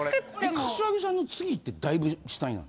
柏木さんの次ってだいぶ下になんの？